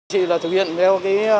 chị là thực hiện theo